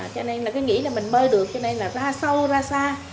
cho nên là cứ nghĩ là mình bơi được cho nên là ra sâu ra xa